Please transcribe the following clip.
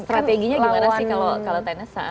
strateginya gimana sih kalau tenis